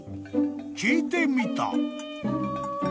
［聞いてみた］